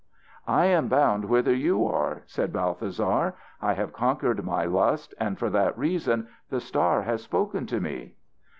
"I am bound whither you are," said Balthasar. "I have conquered my lust, and for that reason the star has spoken to me."